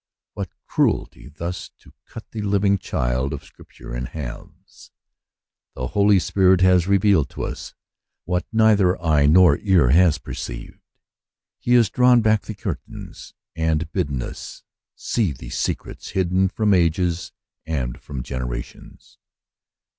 What cruelty thus to cut the living child of Scripture in halves! The Holy Spirit has revealed to us what neither eye nor ear has perceived: he has drawn back the curtains, and bidden us see the secrets hidden from ages and from generations.